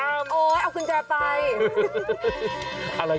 วว้าเขียนนี้